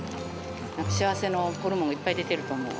幸せのホルモンがいっぱい出てると思う。